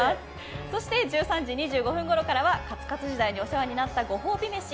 そして１３時２５分ごろからはカツカツ時代にお世話になったご褒美飯。